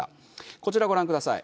こちらをご覧ください。